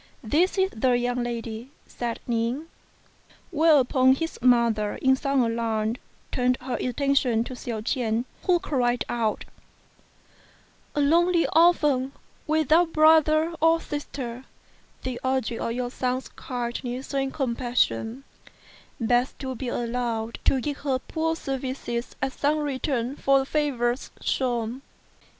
"This is the young lady," said Ning; whereupon his mother in some alarm turned her attention to Hsiao ch'ien, who cried out, "A lonely orphan, without brother or sister, the object of your son's kindness and compassion, begs to be allowed to give her poor services as some return for favours shewn."